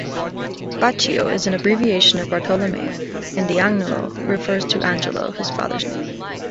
"Baccio" is an abbreviation of Bartolomeo, and "d'Agnolo" refers to Angelo, his father's name.